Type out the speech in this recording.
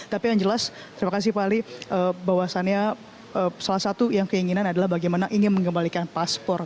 tapi yang jelas terima kasih pak ali bahwasannya salah satu yang keinginan adalah bagaimana ingin mengembalikan paspor